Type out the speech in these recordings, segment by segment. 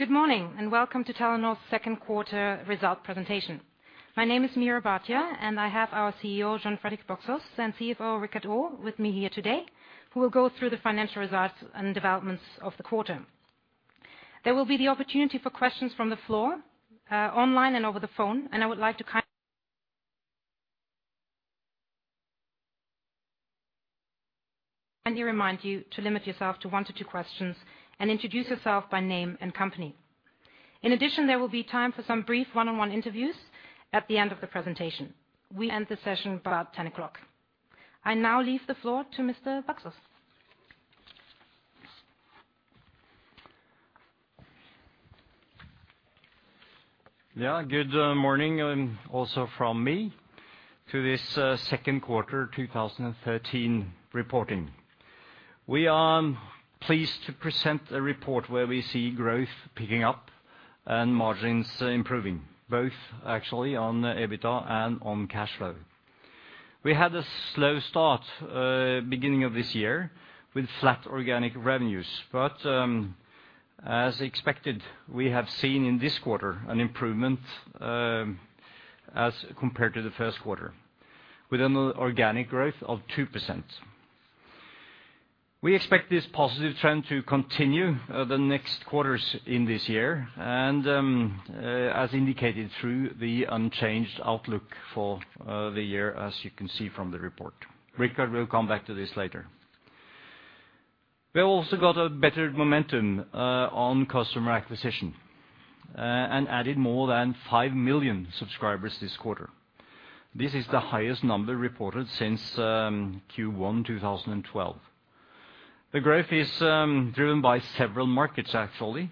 Good morning, and welcome to Telenor's second quarter result presentation. My name is Meera Bhatia, and I have our CEO, Jon Fredrik Baksaas, and CFO, Richard Olav Aa, with me here today, who will go through the financial results and developments of the quarter. There will be the opportunity for questions from the floor, online and over the phone, and I would like to kindly remind you to limit yourself to one to two questions, and introduce yourself by name and company. In addition, there will be time for some brief one-on-one interviews at the end of the presentation. We end the session about ten o'clock. I now leave the floor to Mr. Baksaas. Yeah, good morning, also from me to this second quarter 2013 reporting. We are pleased to present a report where we see growth picking up and margins improving, both actually on EBITDA and on cash flow. We had a slow start beginning of this year with flat organic revenues, but as expected, we have seen in this quarter an improvement as compared to the first quarter, with an organic growth of 2%. We expect this positive trend to continue the next quarters in this year, and as indicated through the unchanged outlook for the year, as you can see from the report. Richard will come back to this later. We also got a better momentum on customer acquisition and added more than five million subscribers this quarter. This is the highest number reported since Q1 2012. The growth is driven by several markets, actually,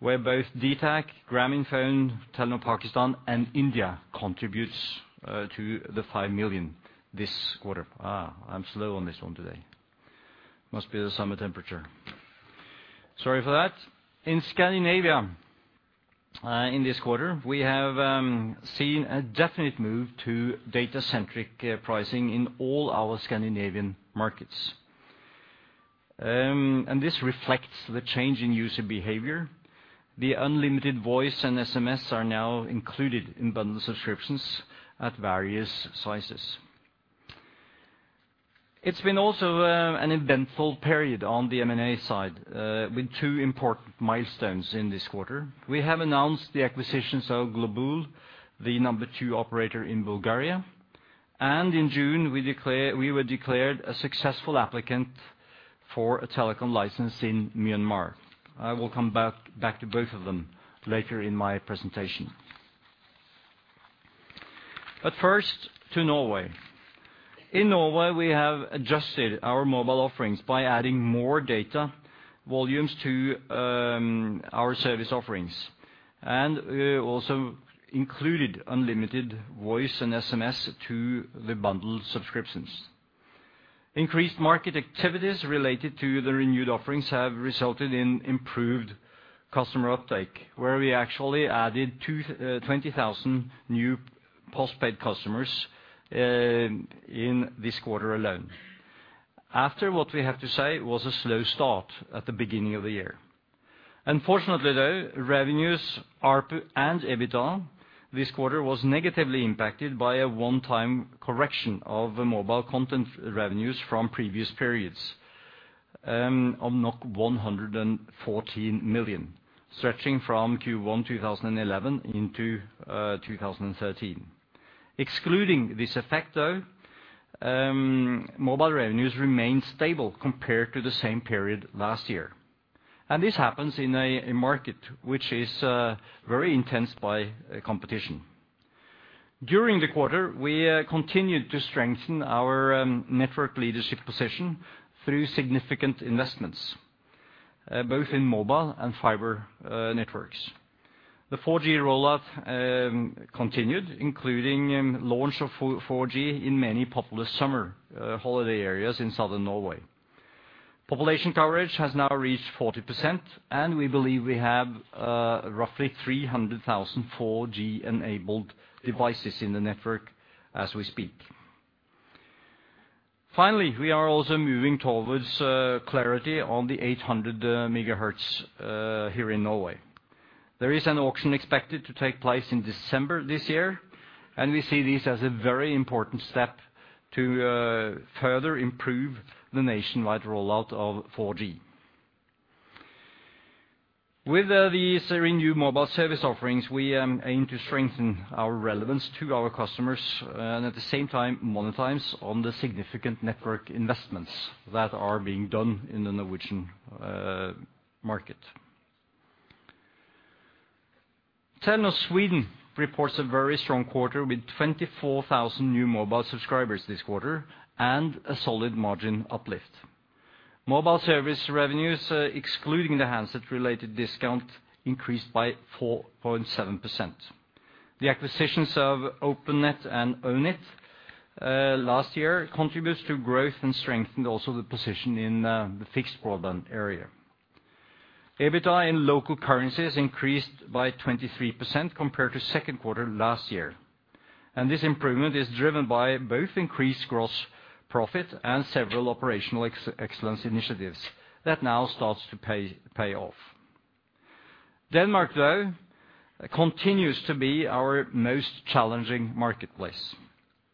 where both dtac, Grameenphone, Telenor Pakistan, and India contributes to the five million this quarter. I'm slow on this one today. Must be the summer temperature. Sorry for that. In Scandinavia, in this quarter, we have seen a definite move to data-centric pricing in all our Scandinavian markets. And this reflects the change in user behavior. The unlimited voice and SMS are now included in bundle subscriptions at various sizes. It's been also an eventful period on the M&A side with two important milestones in this quarter. We have announced the acquisitions of Globul, the number two operator in Bulgaria, and in June, we were declared a successful applicant for a telecom license in Myanmar. I will come back to both of them later in my presentation. But first, to Norway. In Norway, we have adjusted our mobile offerings by adding more data volumes to our service offerings, and also included unlimited voice and SMS to the bundle subscriptions. Increased market activities related to the renewed offerings have resulted in improved customer uptake, where we actually added twenty thousand new postpaid customers in this quarter alone. After what we have to say was a slow start at the beginning of the year. Unfortunately, though, revenues, ARPU, and EBITDA this quarter was negatively impacted by a one-time correction of the mobile content revenues from previous periods of 114 million, stretching from Q1 2011 into 2013. Excluding this effect, though, mobile revenues remained stable compared to the same period last year. This happens in a market which is very intense by competition. During the quarter, we continued to strengthen our network leadership position through significant investments both in mobile and fiber networks. The 4G rollout continued, including launch of 4G in many popular summer holiday areas in southern Norway. Population coverage has now reached 40%, and we believe we have roughly 300,000 4G-enabled devices in the network as we speak. Finally, we are also moving towards clarity on the 800 MHz here in Norway. There is an auction expected to take place in December this year, and we see this as a very important step to further improve the nationwide rollout of 4G. With these renewed mobile service offerings, we aim to strengthen our relevance to our customers, and at the same time, monetize on the significant network investments that are being done in the Norwegian market. Telenor Sweden reports a very strong quarter with 24,000 new mobile subscribers this quarter, and a solid margin uplift. Mobile service revenues, excluding the handset-related discount, increased by 4.7%. The acquisitions of OpenNet and Ownit last year contributes to growth and strengthened also the position in the fixed broadband area. EBITDA in local currencies increased by 23% compared to second quarter last year. This improvement is driven by both increased gross profit and several operational excellence initiatives that now starts to pay off. Denmark, though, continues to be our most challenging marketplace.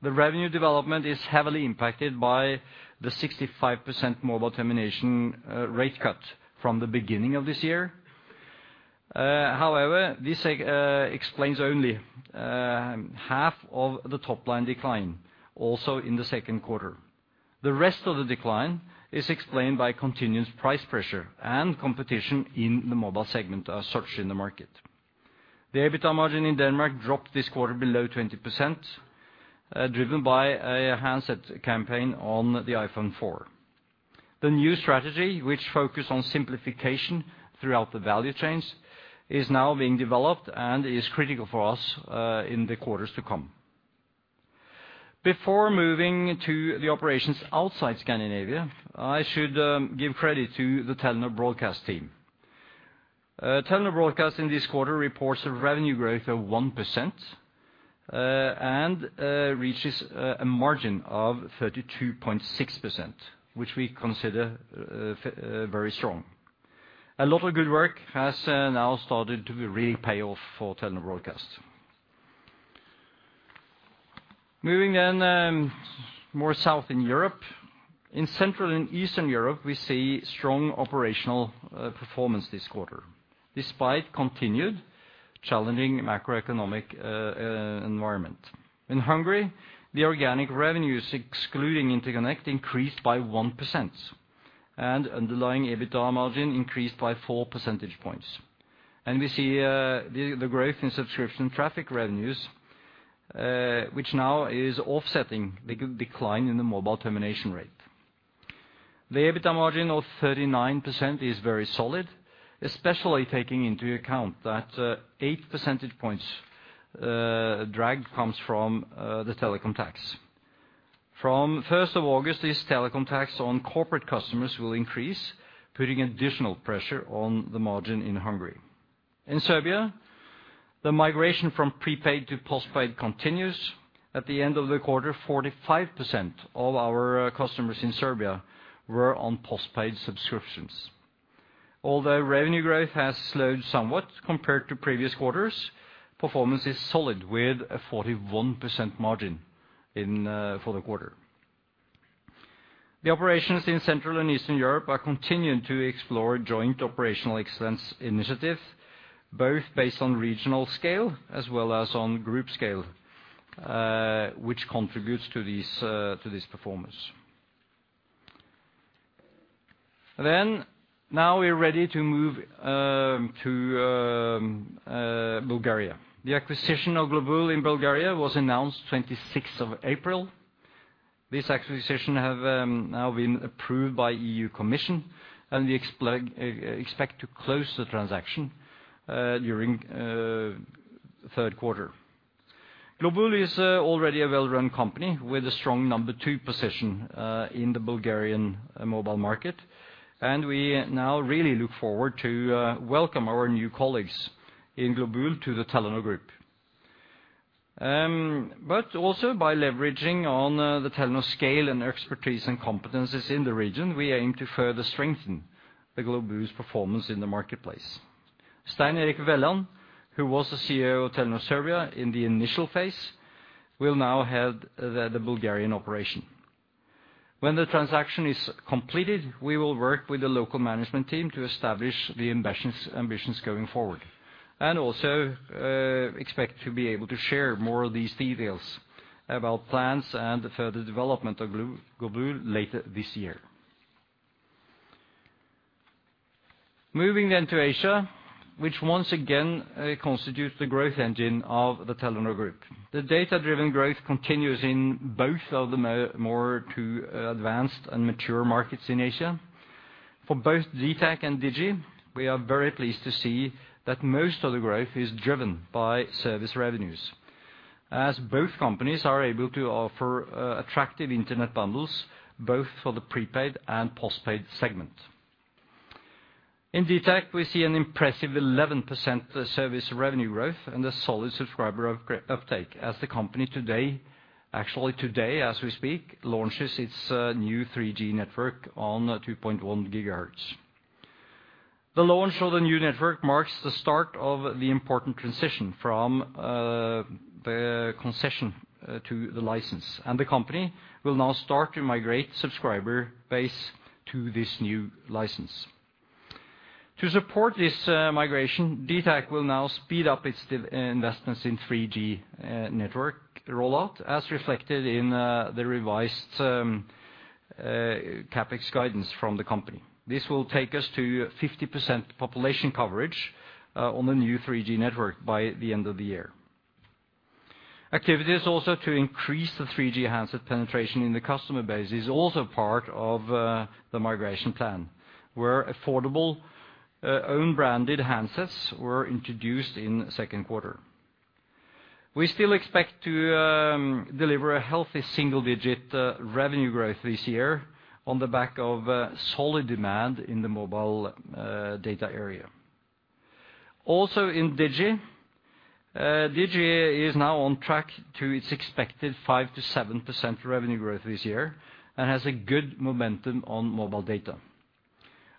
The revenue development is heavily impacted by the 65% mobile termination rate cut from the beginning of this year. However, this explains only half of the top line decline also in the second quarter. The rest of the decline is explained by continuous price pressure and competition in the mobile segment as such in the market. The EBITDA margin in Denmark dropped this quarter below 20%, driven by a handset campaign on the iPhone 4. The new strategy, which focus on simplification throughout the value chains, is now being developed and is critical for us, in the quarters to come. Before moving to the operations outside Scandinavia, I should give credit to the Telenor Broadcast team. Telenor Broadcast in this quarter reports a revenue growth of 1%, and reaches a margin of 32.6%, which we consider very strong. A lot of good work has now started to really pay off for Telenor Broadcast. Moving then more south in Europe. In Central and Eastern Europe, we see strong operational performance this quarter, despite continued challenging macroeconomic environment. In Hungary, the organic revenues, excluding interconnect, increased by 1%, and underlying EBITDA margin increased by 4 percentage points. We see the growth in subscription traffic revenues, which now is offsetting the decline in the mobile termination rate. The EBITDA margin of 39% is very solid, especially taking into account that 8 percentage points drag comes from the telecom tax. From first of August, this telecom tax on corporate customers will increase, putting additional pressure on the margin in Hungary. In Serbia, the migration from prepaid to postpaid continues. At the end of the quarter, 45% of our customers in Serbia were on postpaid subscriptions. Although revenue growth has slowed somewhat compared to previous quarters, performance is solid, with a 41% margin in for the quarter. The operations in Central and Eastern Europe are continuing to explore joint operational excellence initiatives, both based on regional scale as well as on group scale, which contributes to this, to this performance. Now we're ready to move to Bulgaria. The acquisition of Globul in Bulgaria was announced 26th of April. This acquisition have now been approved by EU Commission, and we expect to close the transaction during third quarter. Globul is already a well-run company with a strong number two position in the Bulgarian mobile market, and we now really look forward to welcome our new colleagues in Globul to the Telenor Group. But also by leveraging on the Telenor scale and expertise and competencies in the region, we aim to further strengthen Globul's performance in the marketplace. Stein-Erik Vellan, who was the CEO of Telenor Serbia in the initial phase, will now head the Bulgarian operation. When the transaction is completed, we will work with the local management team to establish the ambitions going forward, and also expect to be able to share more of these details about plans and the further development of Globul later this year. Moving then to Asia, which once again constitutes the growth engine of the Telenor Group. The data-driven growth continues in both of the more advanced and mature markets in Asia. For both dtac and Digi, we are very pleased to see that most of the growth is driven by service revenues, as both companies are able to offer attractive internet bundles, both for the prepaid and postpaid segment. In dtac, we see an impressive 11% service revenue growth and a solid subscriber uptake, as the company today, actually today, as we speak, launches its new 3G network on 2.1 GHz. The launch of the new network marks the start of the important transition from the concession to the license, and the company will now start to migrate subscriber base to this new license. To support this migration, dtac will now speed up its investments in 3G network rollout, as reflected in the revised CapEx guidance from the company. This will take us to 50% population coverage on the new 3G network by the end of the year. Activities also to increase the 3G handset penetration in the customer base is also part of the migration plan, where affordable own-branded handsets were introduced in the second quarter. We still expect to deliver a healthy single-digit revenue growth this year on the back of solid demand in the mobile data area. Also in DiGi, DiGi is now on track to its expected 5%-7% revenue growth this year, and has a good momentum on mobile data.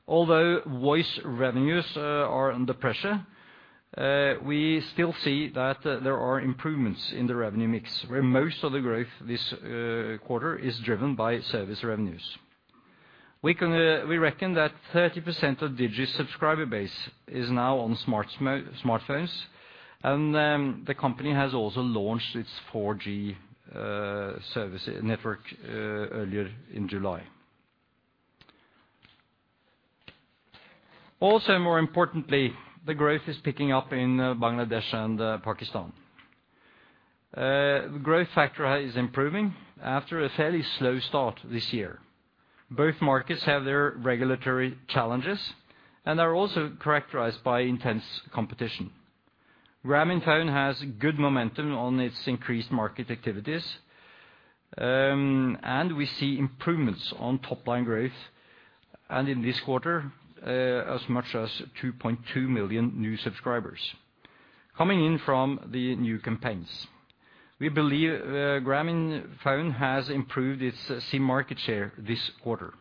Although voice revenues are under pressure, we still see that there are improvements in the revenue mix, where most of the growth this quarter is driven by service revenues. We reckon that 30% of DiGi's subscriber base is now on smart smartphones, and the company has also launched its 4G service network earlier in July. Also, more importantly, the growth is picking up in Bangladesh and Pakistan. The growth factor is improving after a fairly slow start this year. Both markets have their regulatory challenges, and are also characterized by intense competition. Grameenphone has good momentum on its increased market activities. And we see improvements on top line growth, and in this quarter, as much as 2.2 million new subscribers coming in from the new campaigns. We believe, Grameenphone has improved its SIM market share this quarter.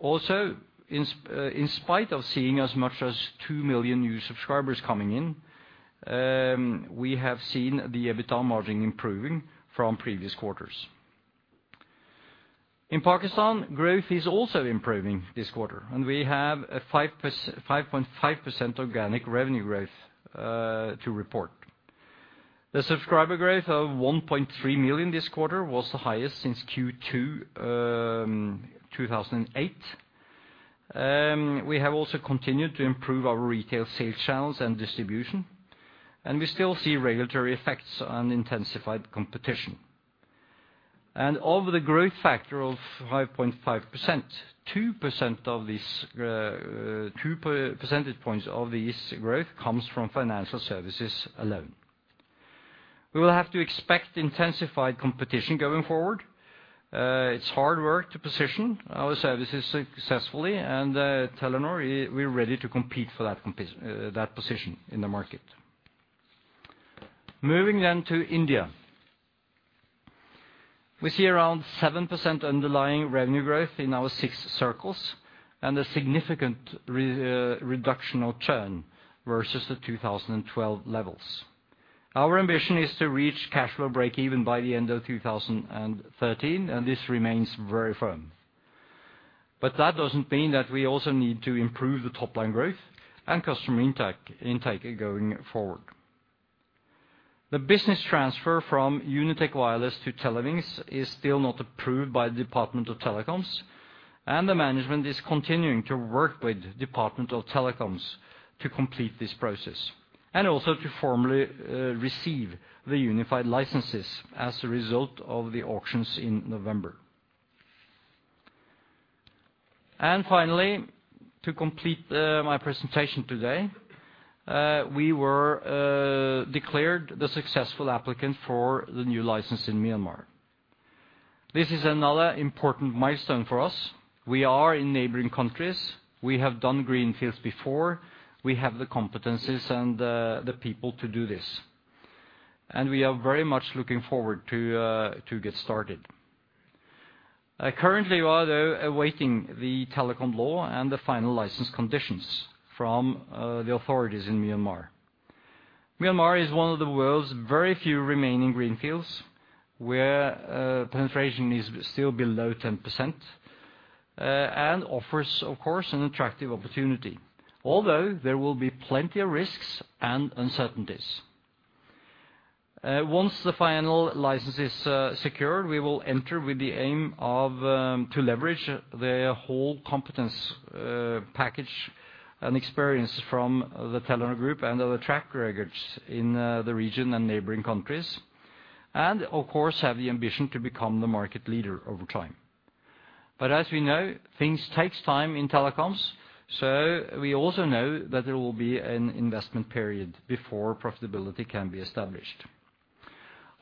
Also, in spite of seeing as much as two million new subscribers coming in, we have seen the EBITDA margin improving from previous quarters. In Pakistan, growth is also improving this quarter, and we have a 5.5% organic revenue growth to report. The subscriber growth of 1.3 million this quarter was the highest since Q2 2008. We have also continued to improve our retail sales channels and distribution, and we still see regulatory effects on intensified competition. Of the growth factor of 5.5%, 2% of this, 2 percentage points of this growth comes from financial services alone. We will have to expect intensified competition going forward. It's hard work to position our services successfully, and Telenor, we're ready to compete for that position in the market. Moving then to India. We see around 7% underlying revenue growth in our six circles, and a significant reduction of churn versus the 2012 levels. Our ambition is to reach cash flow breakeven by the end of 2013, and this remains very firm. But that doesn't mean that we also need to improve the top line growth and customer intake going forward. The business transfer from Unitech Wireless to Telenor is still not approved by the Department of Telecoms, and the management is continuing to work with Department of Telecoms to complete this process, and also to formally receive the unified licenses as a result of the auctions in November. And finally, to complete my presentation today, we were declared the successful applicant for the new license in Myanmar. This is another important milestone for us. We are in neighboring countries. We have done greenfields before. We have the competencies and the people to do this. And we are very much looking forward to to get started. Currently, we are awaiting the telecom law and the final license conditions from the authorities in Myanmar. Myanmar is one of the world's very few remaining greenfields, where penetration is still below 10% and offers, of course, an attractive opportunity, although there will be plenty of risks and uncertainties. Once the final license is secured, we will enter with the aim of to leverage the whole competence package and experience from the Telenor Group and other track records in the region and neighboring countries, and, of course, have the ambition to become the market leader over time. But as we know, things takes time in telecoms, so we also know that there will be an investment period before profitability can be established.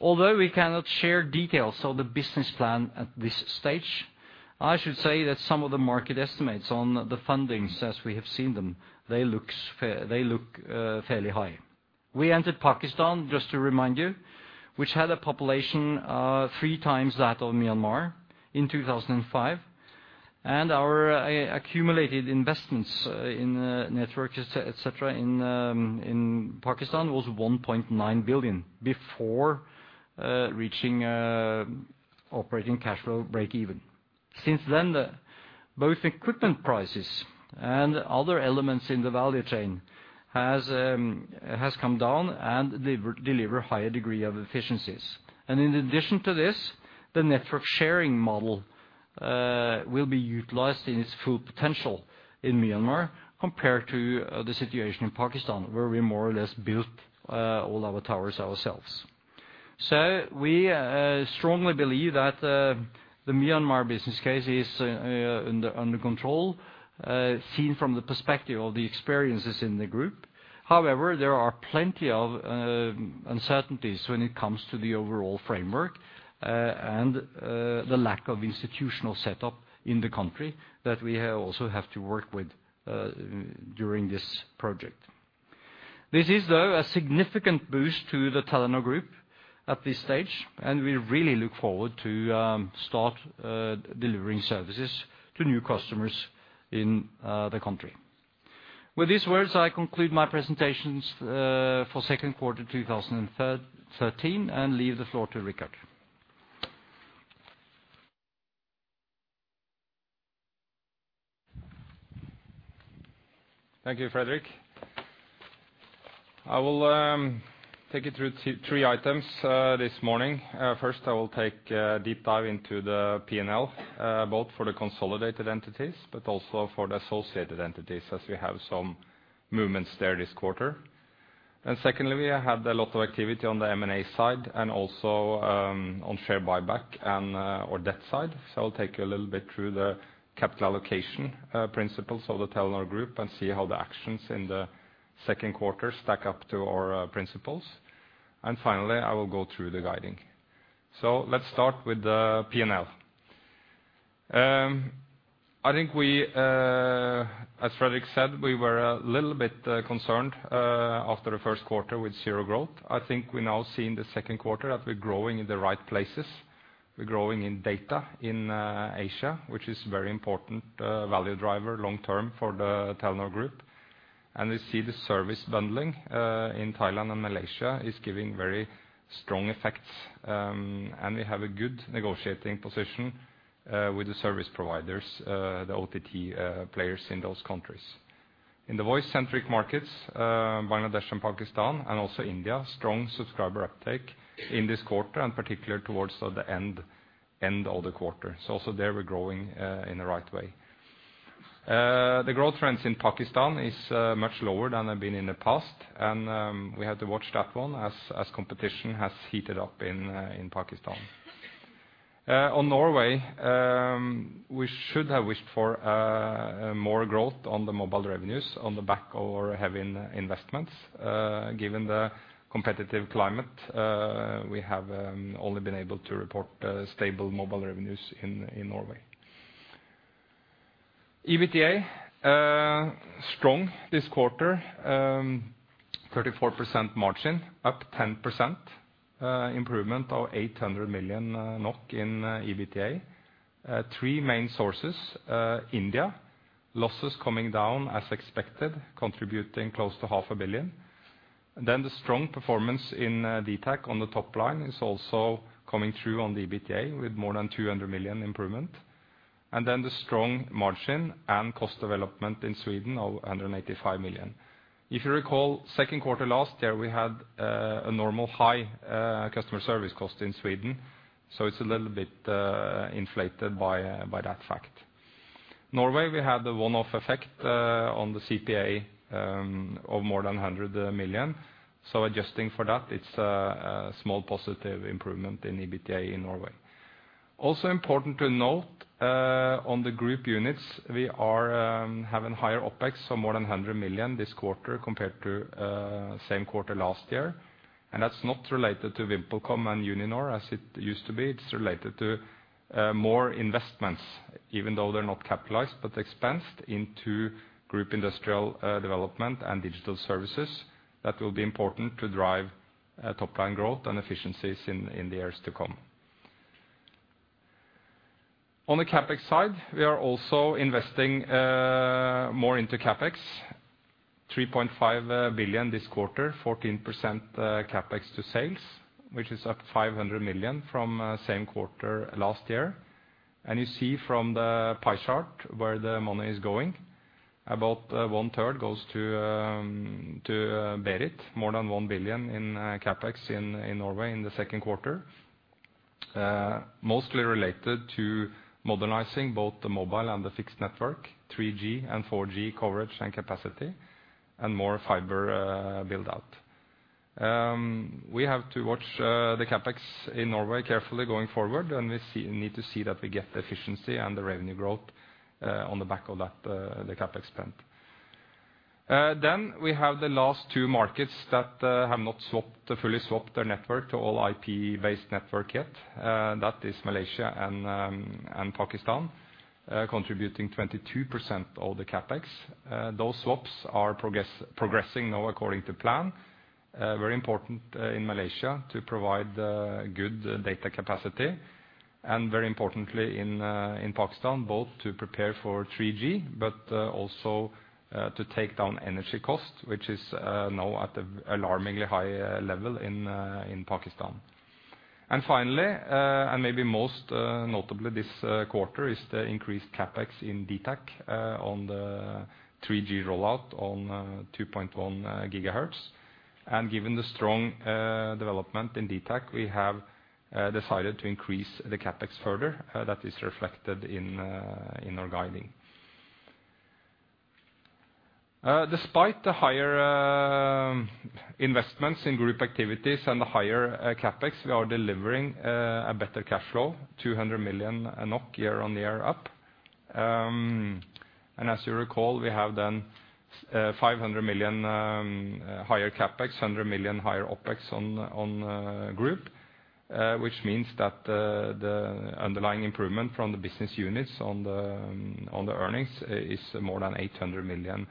Although we cannot share details of the business plan at this stage, I should say that some of the market estimates on the fundings as we have seen them, they looks fair, they look fairly high. We entered Pakistan, just to remind you, which had a population three times that of Myanmar in 2005, and our accumulated investments in networks, et cetera, in Pakistan, was 1.9 billion before reaching operating cash flow breakeven. Since then, both equipment prices and other elements in the value chain has come down and deliver higher degree of efficiencies. And in addition to this, the network sharing model will be utilized in its full potential in Myanmar, compared to the situation in Pakistan, where we more or less built all our towers ourselves. So we strongly believe that the Myanmar business case is under control seen from the perspective of the experiences in the group... However, there are plenty of uncertainties when it comes to the overall framework, and the lack of institutional setup in the country that we also have to work with during this project. This is, though, a significant boost to the Telenor Group at this stage, and we really look forward to start delivering services to new customers in the country. With these words, I conclude my presentations for second quarter 2013, and leave the floor to Richard. Thank you, Fredrik. I will take you through three items this morning. First, I will take a deep dive into the P&L, both for the consolidated entities, but also for the associated entities, as we have some movements there this quarter. And secondly, we have had a lot of activity on the M&A side, and also, on share buyback and our debt side. So I'll take you a little bit through the capital allocation principles of the Telenor Group, and see how the actions in the second quarter stack up to our principles. And finally, I will go through the guiding. So let's start with the P&L. I think we, as Fredrik said, we were a little bit concerned after the first quarter with zero growth. I think we're now seeing the second quarter that we're growing in the right places. We're growing in data in Asia, which is very important value driver long term for the Telenor Group. And we see the service bundling in Thailand and Malaysia is giving very strong effects. And we have a good negotiating position with the service providers, the OTT players in those countries. In the voice-centric markets, Bangladesh and Pakistan, and also India, strong subscriber uptake in this quarter, and particularly towards the end of the quarter. So also there, we're growing in the right way. The growth trends in Pakistan is much lower than they've been in the past, and we had to watch that one as competition has heated up in Pakistan. On Norway, we should have wished for more growth on the mobile revenues on the back of our heavy investments. Given the competitive climate, we have only been able to report stable mobile revenues in Norway. EBITDA strong this quarter, 34% margin, up 10%, improvement of NOK 800 million in EBITDA. Three main sources, India, losses coming down as expected, contributing close to 500 million. Then the strong performance in dtac on the top line is also coming through on the EBITDA, with more than 200 million improvement. And then the strong margin and cost development in Sweden of 185 million. If you recall, second quarter last year, we had a normal high customer service cost in Sweden, so it's a little bit inflated by that fact. Norway, we had the one-off effect on the CPA of more than 100 million. So adjusting for that, it's a small positive improvement in EBITDA in Norway. Also important to note on the group units, we are having higher OpEx, so more than 100 million this quarter compared to same quarter last year. And that's not related to VimpelCom and Uninor, as it used to be. It's related to more investments, even though they're not capitalized, but expensed into group industrial development and digital services. That will be important to drive top line growth and efficiencies in the years to come. On the CapEx side, we are also investing more into CapEx, 3.5 billion this quarter, 14% CapEx to sales, which is up 500 million from same quarter last year. And you see from the pie chart where the money is going, about one third goes to Norway, more than 1 billion in CapEx in Norway in the second quarter. Mostly related to modernizing both the mobile and the fixed network, 3G and 4G coverage and capacity, and more fiber build-out. We have to watch the CapEx in Norway carefully going forward, and we need to see that we get the efficiency and the revenue growth on the back of that, the CapEx spend. Then we have the last two markets that have not fully swapped their network to all IP-based network yet. That is Malaysia and Pakistan, contributing 22% of the CapEx. Those swaps are progressing now according to plan. Very important in Malaysia to provide good data capacity, and very importantly in Pakistan, both to prepare for 3G, but also to take down energy cost, which is now at an alarmingly high level in Pakistan. And finally, and maybe most notably this quarter, is the increased CapEx in dtac on the 3G rollout on 2.1 GHz. And given the strong development in dtac, we have decided to increase the CapEx further. That is reflected in our guiding. Despite the higher investments in group activities and the higher CapEx, we are delivering a better cash flow, 200 million year-on-year up. And as you recall, we have then 500 million higher CapEx, 100 million higher OpEx on the group, which means that the underlying improvement from the business units on the earnings is more than 800 million improved.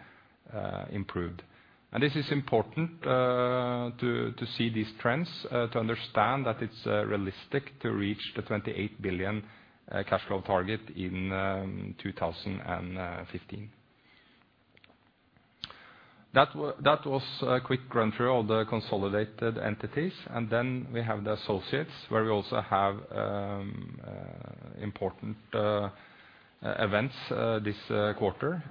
And this is important to see these trends to understand that it's realistic to reach the 28 billion cash flow target in 2015. That was a quick run-through of the consolidated entities, and then we have the associates, where we also have important events this quarter.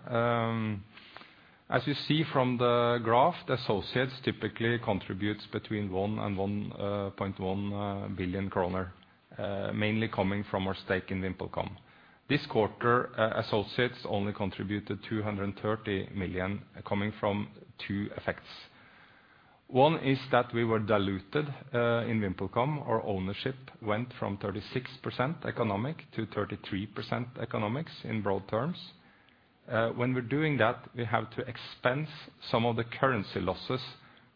As you see from the graph, the associates typically contributes between 1 billion and 1.1 billion kroner, mainly coming from our stake in VimpelCom. This quarter, associates only contributed 230 million, coming from two effects. One is that we were diluted in VimpelCom. Our ownership went from 36% economic to 33% economics, in broad terms. When we're doing that, we have to expense some of the currency losses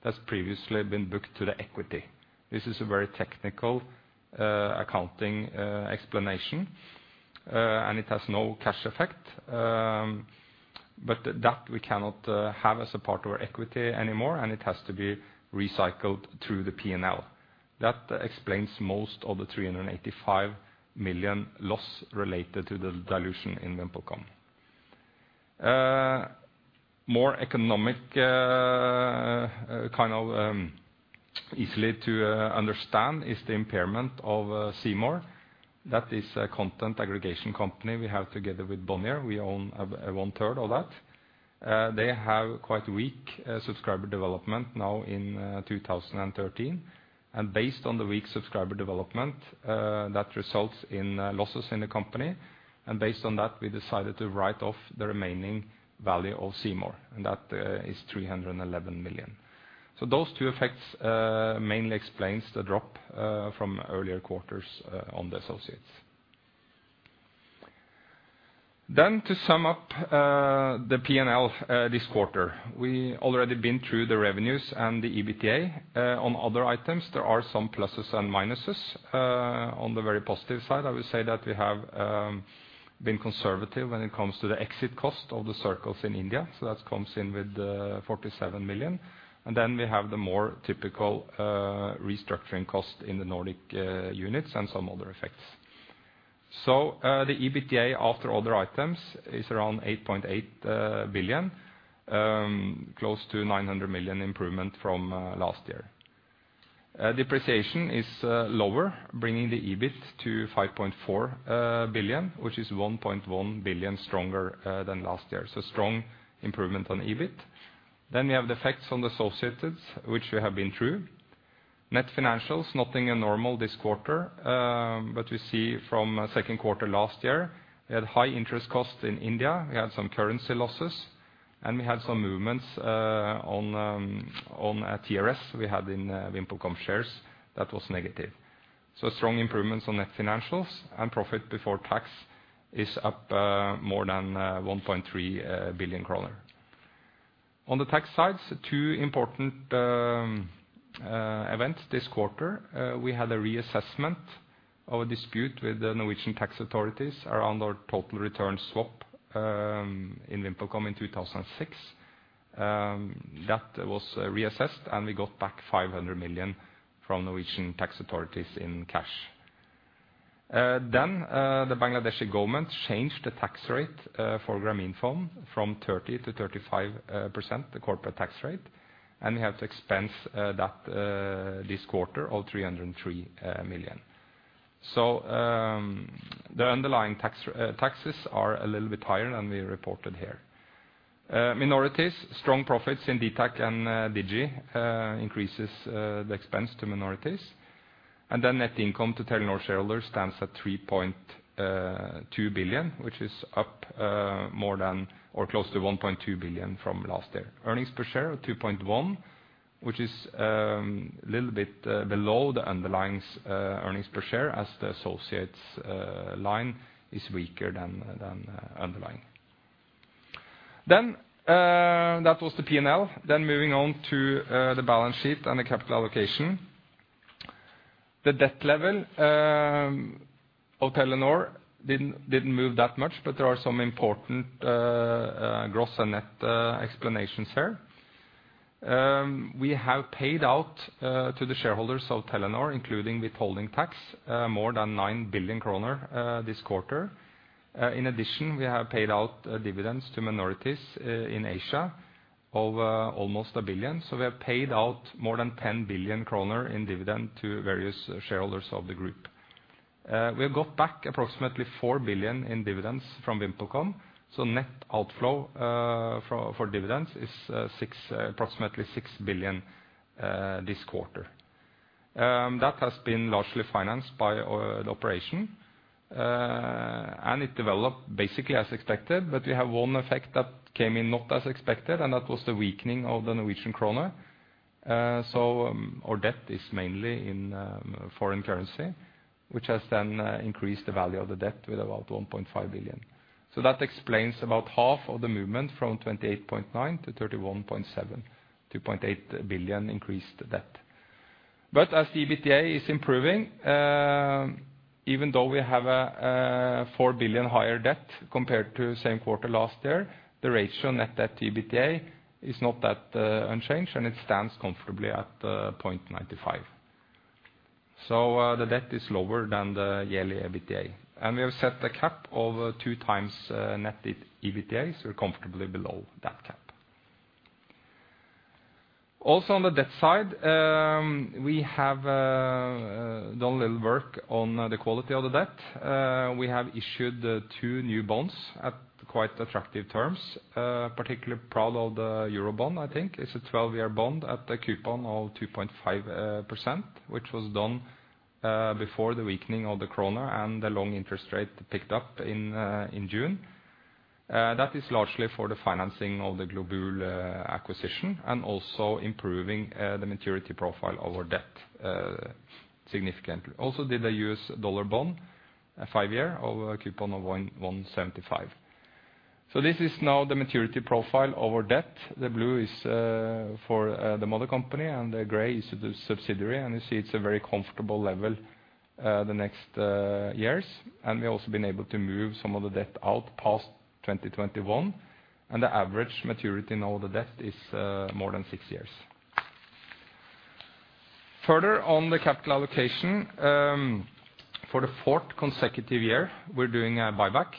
that's previously been booked to the equity. This is a very technical accounting explanation, and it has no cash effect. But that we cannot have as a part of our equity anymore, and it has to be recycled through the P&L. That explains most of the 385 million loss related to the dilution in VimpelCom. More economic, kind of, easily to understand is the impairment of C More. That is a content aggregation company we have together with Bonnier. We own one third of that. They have quite weak subscriber development now in 2013, and based on the weak subscriber development, that results in losses in the company, and based on that, we decided to write off the remaining value of C More, and that is 311 million. So those two effects mainly explains the drop from earlier quarters on the associates. Then, to sum up the P&L this quarter, we already been through the revenues and the EBITDA. On other items, there are some pluses and minuses. On the very positive side, I would say that we have been conservative when it comes to the exit cost of the circles in India, so that comes in with 47 million. And then we have the more typical restructuring cost in the Nordic units and some other effects. So, the EBITDA, after other items, is around 8.8 billion, close to 900 million improvement from last year. Depreciation is lower, bringing the EBIT to 5.4 billion, which is 1.1 billion stronger than last year, so strong improvement on EBIT. Then we have the effects on the associates, which we have been through. Net financials, nothing abnormal this quarter, but we see from second quarter last year, we had high interest costs in India, we had some currency losses, and we had some movements on TRS we had in VimpelCom shares. That was negative. So strong improvements on net financials and profit before tax is up more than 1.3 billion kroner. On the tax sides, two important events this quarter. We had a reassessment of a dispute with the Norwegian tax authorities around our total return swap in VimpelCom in 2006. That was reassessed, and we got back 500 million from Norwegian tax authorities in cash. Then, the Bangladeshi government changed the tax rate for Grameenphone from 30%-35%, the corporate tax rate, and we have to expense that this quarter 303 million. So, the underlying taxes are a little bit higher than we reported here. Minorities, strong profits in dtac and DiGi increases the expense to minorities. And then net income to Telenor shareholders stands at 3.2 billion, which is up more than or close to 1.2 billion from last year. Earnings per share are 2.1, which is a little bit below the underlying's earnings per share, as the associates line is weaker than underlying. Then, that was the P&L. Then moving on to the balance sheet and the capital allocation. The debt level of Telenor didn't move that much, but there are some important gross and net explanations here. We have paid out to the shareholders of Telenor, including withholding tax, more than 9 billion kroner this quarter. In addition, we have paid out dividends to minorities in Asia of almost 1 billion. So we have paid out more than 10 billion kroner in dividend to various shareholders of the group. We have got back approximately 4 billion in dividends from VimpelCom, so net outflow for dividends is approximately 6 billion this quarter. That has been largely financed by our operation, and it developed basically as expected, but we have one effect that came in not as expected, and that was the weakening of the Norwegian kroner. So our debt is mainly in foreign currency, which has then increased the value of the debt with about 1.5 billion. So that explains about half of the movement from 28.9 billion to 31.7 billion, 2.8 billion increased debt. But as EBITDA is improving, even though we have a 4 billion higher debt compared to same quarter last year, the ratio net debt to EBITDA is not that unchanged, and it stands comfortably at 0.95. So, the debt is lower than the yearly EBITDA, and we have set the cap over 2x net EBITDA, so we're comfortably below that cap. Also, on the debt side, we have done a little work on the quality of the debt. We have issued two new bonds at quite attractive terms. Particularly proud of the Eurobond, I think. It's a 12-year bond at a coupon of 2.5%, which was done before the weakening of the krone and the long interest rate picked up in June. That is largely for the financing of the Globul acquisition, and also improving the maturity profile of our debt significantly. Also, did a U.S. dollar bond, a five-year of a coupon of 1.75. So this is now the maturity profile of our debt. The blue is for the mother company, and the gray is the subsidiary, and you see it's a very comfortable level the next years. We've also been able to move some of the debt out past 2021, and the average maturity in all the debt is more than six years. Further, on the capital allocation, for the fourth consecutive year, we're doing a buyback.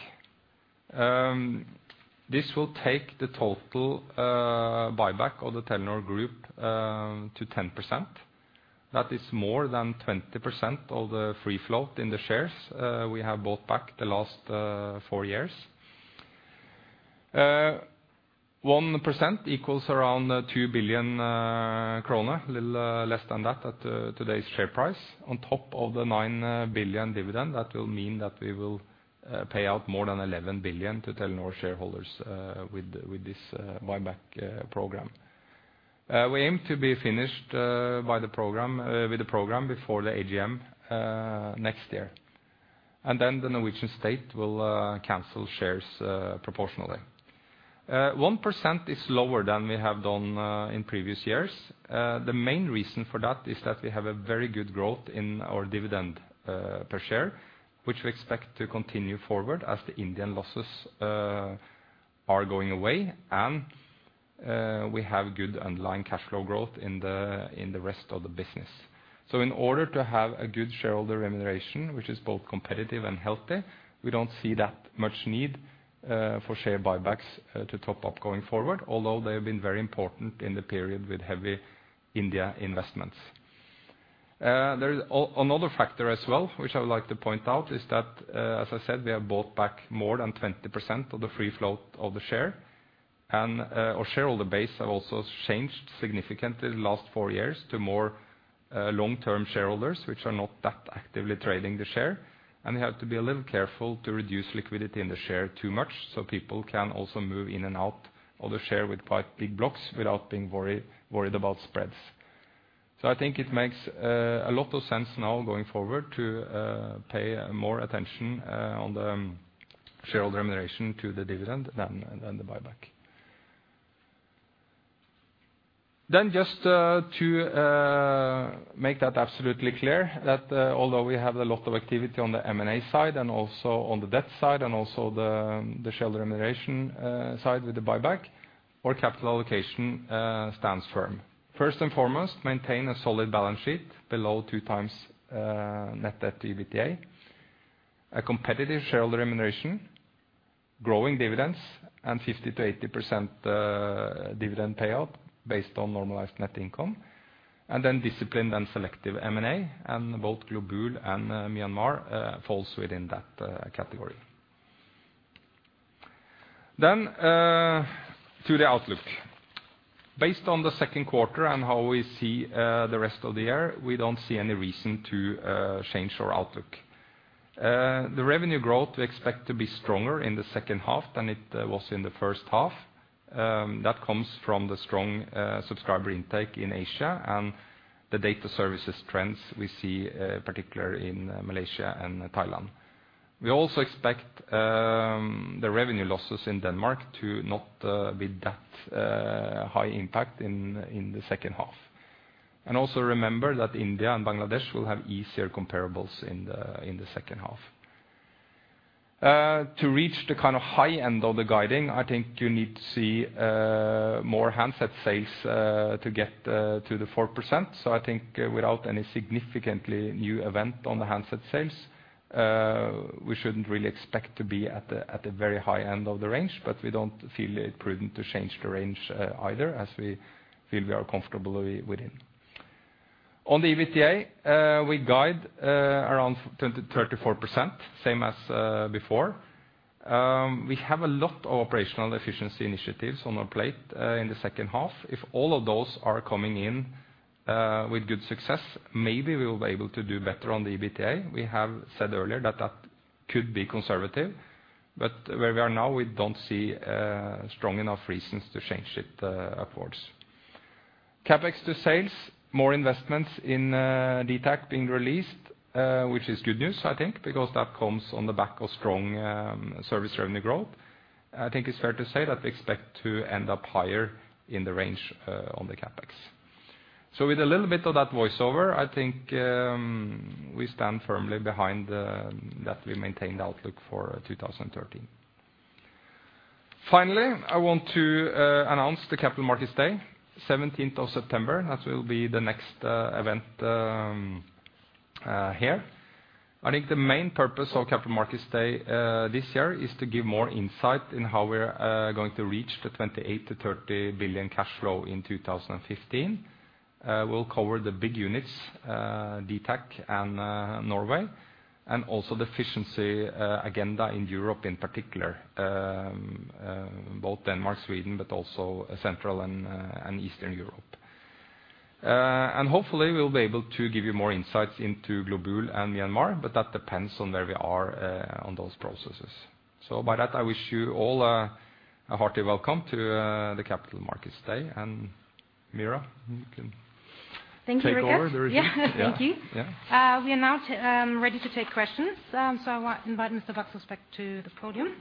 This will take the total buyback of the Telenor group to 10%. That is more than 20% of the free float in the shares we have bought back the last four years. 1% equals around 2 billion kroner, a little less than that at today's share price. On top of the 9 billion dividend, that will mean that we will pay out more than 11 billion to Telenor shareholders with this buyback program. We aim to be finished with the program before the AGM next year, and then the Norwegian state will cancel shares proportionally. One percent is lower than we have done in previous years. The main reason for that is that we have a very good growth in our dividend per share, which we expect to continue forward as the Indian losses are going away, and we have good underlying cash flow growth in the rest of the business. So in order to have a good shareholder remuneration, which is both competitive and healthy, we don't see that much need for share buybacks to top up going forward, although they have been very important in the period with heavy India investments. There is another factor as well, which I would like to point out, is that, as I said, we have bought back more than 20% of the free float of the share. And our shareholder base have also changed significantly in the last four years to more long-term shareholders, which are not that actively trading the share. And we have to be a little careful to reduce liquidity in the share too much, so people can also move in and out of the share with quite big blocks without being worried about spreads. So I think it makes a lot of sense now going forward to pay more attention on the shareholder remuneration to the dividend than the buyback. Then just to make that absolutely clear, that although we have a lot of activity on the M&A side, and also on the debt side, and also the shareholder remuneration side with the buyback, our capital allocation stands firm. First and foremost, maintain a solid balance sheet below 2x net debt to EBITDA, a competitive shareholder remuneration, growing dividends, and 50%-80% dividend payout based on normalized net income, and then disciplined and selective M&A, and both Globul and Myanmar falls within that category. Then to the outlook. Based on the second quarter and how we see, the rest of the year, we don't see any reason to, change our outlook. The revenue growth, we expect to be stronger in the second half than it, was in the first half. That comes from the strong, subscriber intake in Asia and the data services trends we see, particular in Malaysia and Thailand. We also expect, the revenue losses in Denmark to not, be that, high impact in, in the second half. And also remember that India and Bangladesh will have easier comparables in the, in the second half. To reach the kind of high end of the guiding, I think you need to see, more handset sales, to get, to the 4%. So I think without any significantly new event on the handset sales, we shouldn't really expect to be at the, at the very high end of the range, but we don't feel it prudent to change the range, either, as we feel we are comfortable within. On the EBITDA, we guide around 34%, same as before. We have a lot of operational efficiency initiatives on our plate in the second half. If all of those are coming in with good success, maybe we will be able to do better on the EBITDA. We have said earlier that that-... could be conservative, but where we are now, we don't see, strong enough reasons to change it, upwards. CapEx to sales, more investments in, dtac being released, which is good news, I think, because that comes on the back of strong, service revenue growth. I think it's fair to say that they expect to end up higher in the range, on the CapEx. So with a little bit of that voiceover, I think, we stand firmly behind the, that we maintain the outlook for 2013. Finally, I want to, announce the Capital Markets Day, 17th of September. That will be the next, event, here. I think the main purpose of Capital Markets Day this year is to give more insight in how we're going to reach the 28 billion-30 billion cash flow in 2015. We'll cover the big units, dtac and Norway, and also the efficiency agenda in Europe, in particular, both Denmark, Sweden, but also Central and Eastern Europe. And hopefully, we'll be able to give you more insights into Globul and Myanmar, but that depends on where we are on those processes. So by that, I wish you all a hearty welcome to the Capital Markets Day, and Meera, you can- Thank you, Richard. Take over. Yeah, thank you. Yeah. We are now ready to take questions, so I want to invite Mr. Baksaas back to the podium.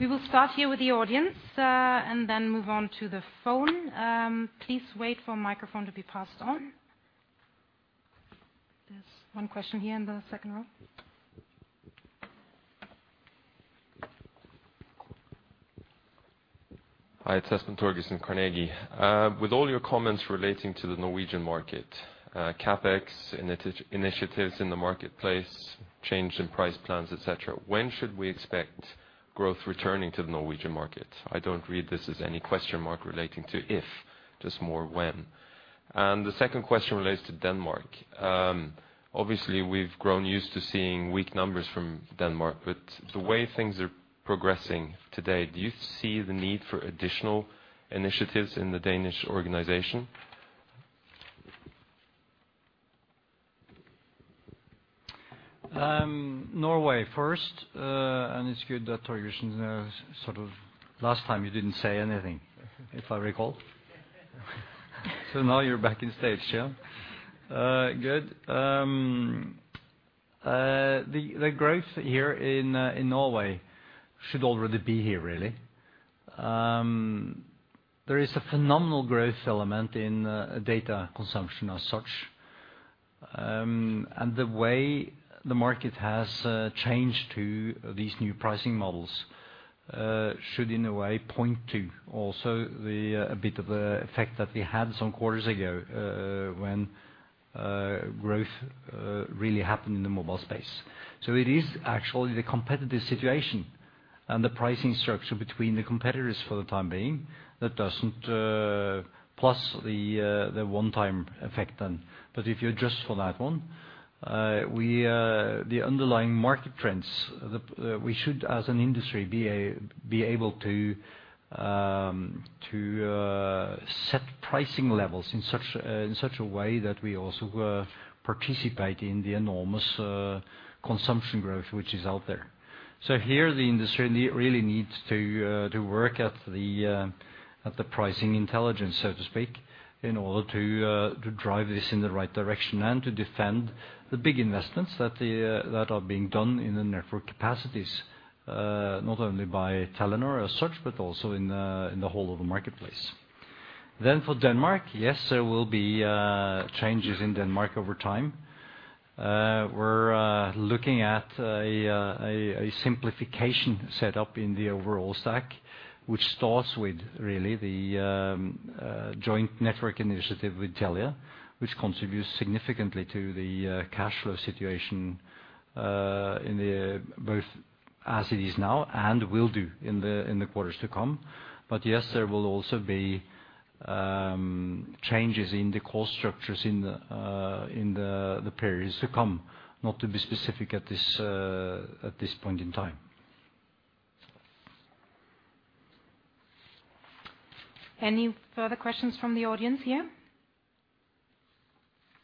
We will start here with the audience, and then move on to the phone. Please wait for a microphone to be passed on. There's one question here in the second row. Hi, it's Espen Torgersen, Carnegie. With all your comments relating to the Norwegian market, CapEx, initiatives in the marketplace, change in price plans, et cetera, when should we expect growth returning to the Norwegian market? I don't read this as any question mark relating to if, just more when. And the second question relates to Denmark. Obviously, we've grown used to seeing weak numbers from Denmark, but the way things are progressing today, do you see the need for additional initiatives in the Danish organization? Norway first, and it's good that Torgersen sort of last time you didn't say anything, if I recall. So now you're back in stage, yeah. Good. The growth here in Norway should already be here, really. There is a phenomenal growth element in data consumption as such. And the way the market has changed to these new pricing models should, in a way, point to also a bit of the effect that we had some quarters ago, when growth really happened in the mobile space. So it is actually the competitive situation and the pricing structure between the competitors for the time being, that doesn't, plus the one-time effect then. But if you adjust for that one, we, the underlying market trends, we should, as an industry, be able to set pricing levels in such a way that we also participate in the enormous consumption growth, which is out there. So here, the industry really needs to work at the pricing intelligence, so to speak, in order to drive this in the right direction and to defend the big investments that are being done in the network capacities, not only by Telenor as such, but also in the whole of the marketplace. Then for Denmark, yes, there will be changes in Denmark over time. We're looking at a simplification set up in the overall stack, which starts with really the joint network initiative with Telia, which contributes significantly to the cash flow situation, both as it is now and will do in the quarters to come. But yes, there will also be changes in the cost structures in the periods to come. Not to be specific at this point in time. Any further questions from the audience here?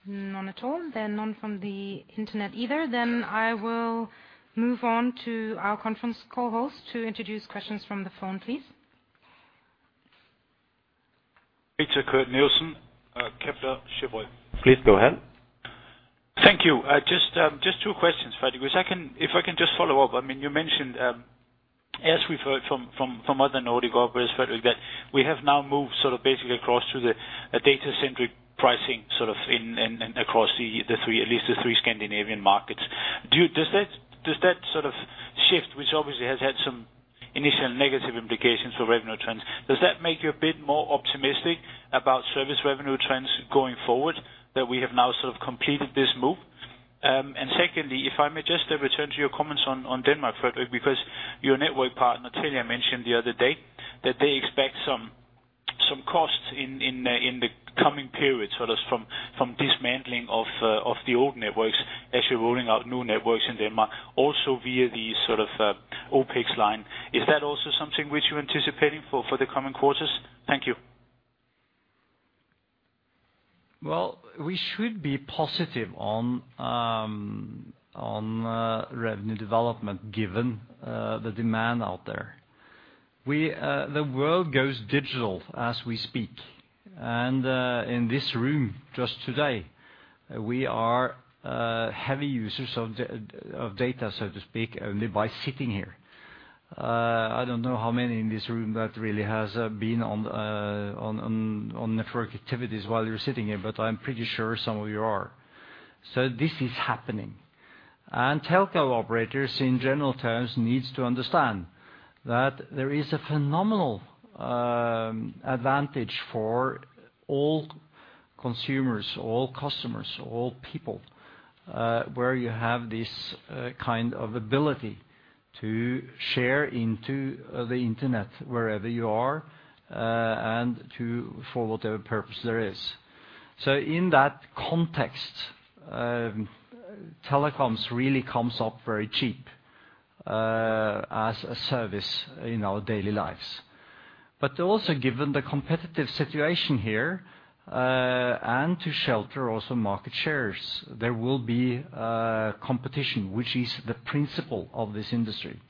None at all, then none from the internet either. I will move on to our conference call host to introduce questions from the phone, please. Peter Kurt Nielsen, Kepler Cheuvreux. Please go ahead. Thank you. Just, just two questions, Fredrik. If I can, if I can just follow up, I mean, you mentioned, as we've heard from other Nordic operators, Fredrik, that we have now moved sort of basically across to the data-centric pricing, sort of in across the three, at least the three Scandinavian markets. Does that sort of shift, which obviously has had some initial negative implications for revenue trends, make you a bit more optimistic about service revenue trends going forward, that we have now sort of completed this move? And secondly, if I may just return to your comments on Denmark, Fredrik, because your network partner, Telia, mentioned the other day that they expect some costs in the coming period, sort of from dismantling of the old networks as you're rolling out new networks in Denmark, also via the sort of OpEx line. Is that also something which you're anticipating for the coming quarters? Thank you. Well, we should be positive on revenue development, given the demand out there. We, the world goes digital as we speak, and, in this room, just today, we are heavy users of data, so to speak, only by sitting here. I don't know how many in this room that really has been on network activities while you're sitting here, but I'm pretty sure some of you are. So this is happening, and telco operators, in general terms, needs to understand that there is a phenomenal advantage for all consumers, all customers, all people, where you have this kind of ability to share into the Internet, wherever you are, and to-- for whatever purpose there is. So in that context, telecoms really comes up very cheap, as a service in our daily lives. But also, given the competitive situation here, and to shelter also market shares, there will be, competition, which is the principle of this industry.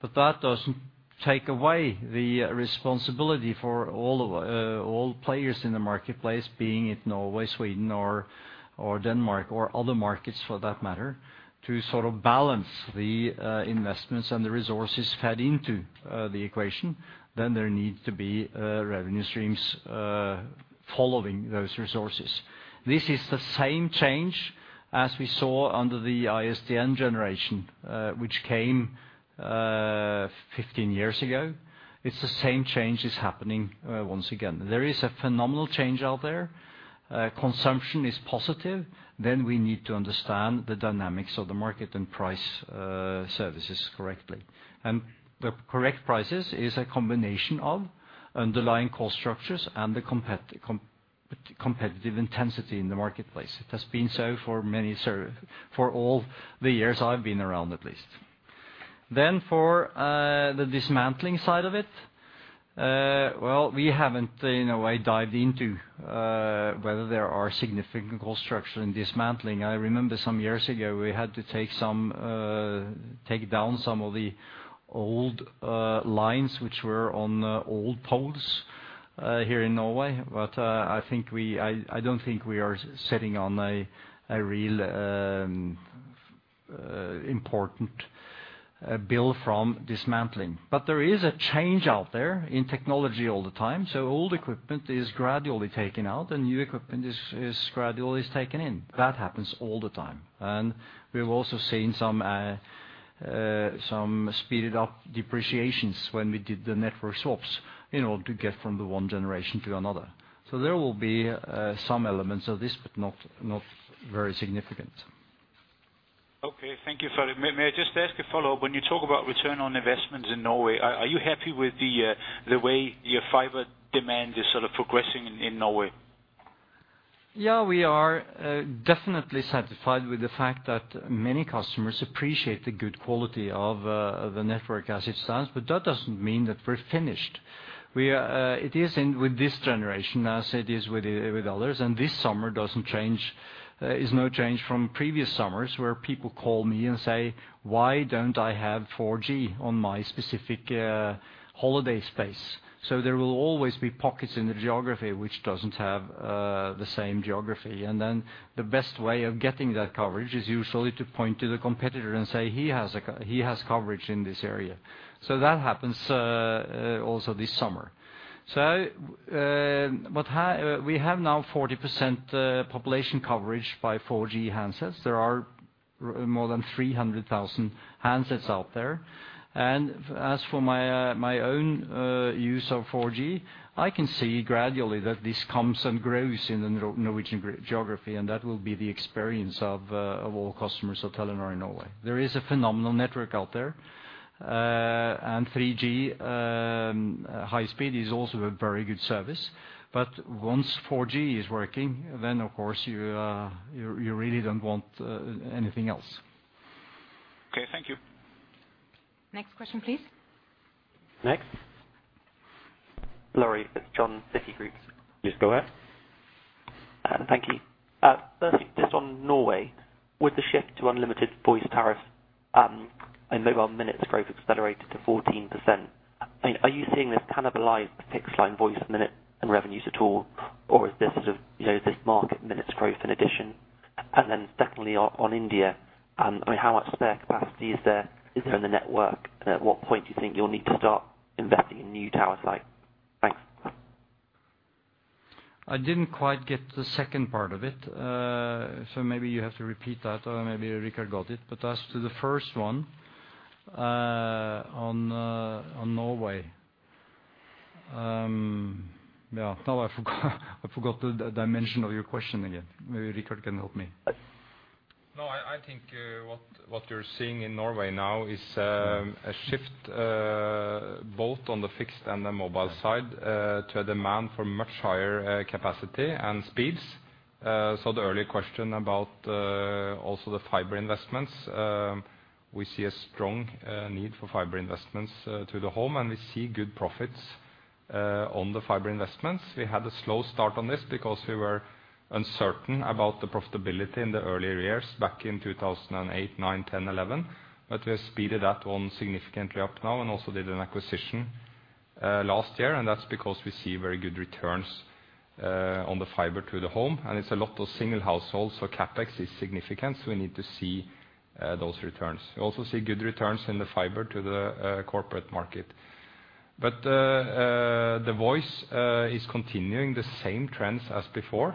But that doesn't take away the responsibility for all of, all players in the marketplace, being in Norway, Sweden, or, or Denmark, or other markets, for that matter, to sort of balance the, investments and the resources fed into, the equation, then there needs to be, revenue streams, following those resources. This is the same change as we saw under the ISDN generation, which came, 15 years ago. It's the same change that's happening, once again. There is a phenomenal change out there. Consumption is positive, then we need to understand the dynamics of the market and price services correctly. And the correct prices is a combination of underlying cost structures and the competitive intensity in the marketplace. It has been so for many, so for all the years I've been around, at least. Then for the dismantling side of it, well, we haven't, in a way, dived into whether there are significant cost structure in dismantling. I remember some years ago, we had to take down some of the old lines, which were on old poles here in Norway. But I think we—I don't think we are sitting on a real important bill from dismantling. There is a change out there in technology all the time, so old equipment is gradually taken out, and new equipment is gradually taken in. That happens all the time. We've also seen some speeded-up depreciations when we did the network swaps in order to get from the one generation to another. There will be some elements of this, but not very significant. Okay, thank you for that. May I just ask a follow-up? When you talk about return on investment in Norway, are you happy with the way your fiber demand is sort of progressing in Norway? Yeah, we are definitely satisfied with the fact that many customers appreciate the good quality of, of the network as it stands, but that doesn't mean that we're finished. We are, it is in with this generation, as it is with the, with others, and this summer doesn't change, is no change from previous summers, where people call me and say, "Why don't I have 4G on my specific, holiday space?" So there will always be pockets in the geography, which doesn't have, the same geography. And then the best way of getting that coverage is usually to point to the competitor and say, "He has a co-- he has coverage in this area." So that happens, also this summer. So, but ha- we have now 40%, population coverage by 4G handsets. There are more than 300,000 handsets out there. As for my own use of 4G, I can see gradually that this comes and grows in the Norwegian geography, and that will be the experience of all customers of Telenor in Norway. There is a phenomenal network out there, and 3G high speed is also a very good service, but once 4G is working, then, of course, you really don't want anything else. Okay, thank you. Next question, please. Next. Laurie Fitzjohn, Citigroup. Yes, go ahead. Thank you. Firstly, just on Norway, with the shift to unlimited voice tariff, and mobile minutes growth accelerated to 14%, I mean, are you seeing this cannibalize the fixed-line voice minutes and revenues at all, or is this sort of, you know, this market minutes growth in addition? And then secondly, on India, I mean, how much spare capacity is there in the network, and at what point do you think you'll need to start investing in new tower sites? Thanks. I didn't quite get the second part of it, so maybe you have to repeat that, or maybe Richard got it. But as to the first one, on Norway. Yeah, now I forgot the dimension of your question again. Maybe Richard can help me. No, I think what you're seeing in Norway now is a shift both on the fixed and the mobile side to a demand for much higher capacity and speeds. So the earlier question about also the fiber investments, we see a strong need for fiber investments to the home, and we see good profits on the fiber investments. We had a slow start on this because we were uncertain about the profitability in the earlier years, back in 2008, 2009, 2010, 2011. But we have speeded that one significantly up now and also did an acquisition last year, and that's because we see very good returns on the fiber to the home, and it's a lot of single households, so CapEx is significant, so we need to see those returns. We also see good returns in the fiber to the corporate market. But the voice is continuing the same trends as before.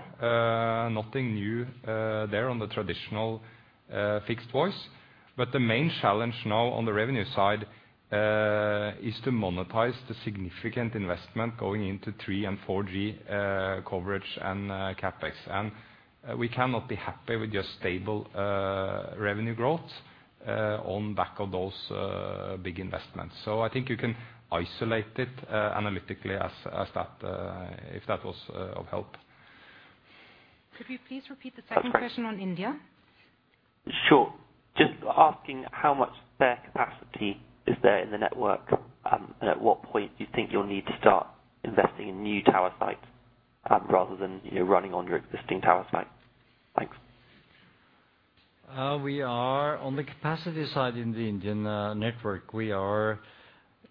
Nothing new there on the traditional fixed voice. But the main challenge now on the revenue side is to monetize the significant investment going into 3G and 4G coverage and CapEx. And we cannot be happy with just stable revenue growth on back of those big investments. So I think you can isolate it analytically as that if that was of help. Could you please repeat the second question on India? Sure. Just asking how much spare capacity is there in the network, and at what point do you think you'll need to start investing in new tower sites, rather than, you know, running on your existing tower sites? Thanks. We are on the capacity side in the Indian network. We are